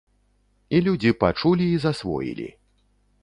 І людзі пачулі і засвоілі.